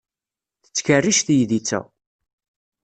Tettkerric teydit-a.